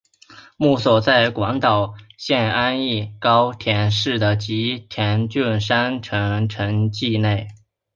墓所在广岛县安艺高田市的吉田郡山城城迹内。